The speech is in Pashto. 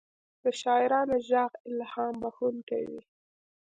د شاعرانو ږغ الهام بښونکی وي.